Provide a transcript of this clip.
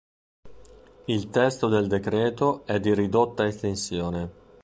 Il testo del decreto è di ridotta estensione.